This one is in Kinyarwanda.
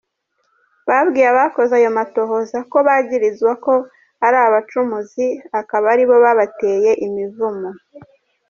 Babwiye abakoze ayo matohoza ko bagirizwa ko ari abacumuzi - akaba ari bo babateye imivumo.